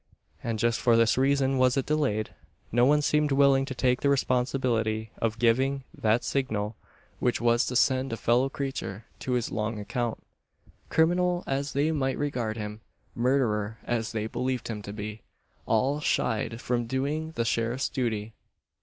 And just for this reason was it delayed. No one seemed willing to take the responsibility of giving that signal, which was to send a fellow creature to his long account. Criminal as they might regard him murderer as they believed him to be all shied from doing the sheriff's duty.